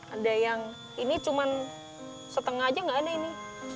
ada yang ini cuma setengah aja gak ada ini